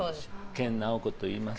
研ナオコといいます。